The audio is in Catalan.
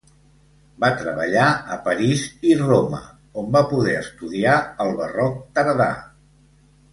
Va treballar a París i Roma, on va poder estudiar el barroc tardà.